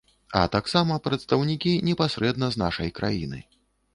А таксама прадстаўнікі непасрэдна з нашай краіны.